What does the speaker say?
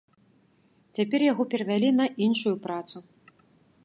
Цяпер яго перавялі на іншую працу.